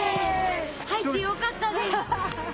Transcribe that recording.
入ってよかったです。